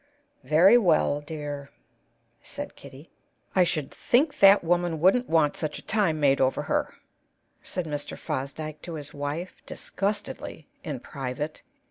"Very well, dear," said Kitty. "I should think that woman wouldn't want such a time made over her," said Mr. Fosdyke to his wife, disgustedly, in private.